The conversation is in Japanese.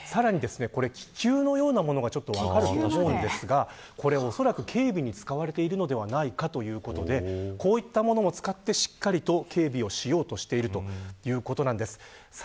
さらに気球のようなものがあると思うんですが、おそらく警備に使われているのではないかということでこういったものも使ってしっかりと警備をしようとしているということなんです。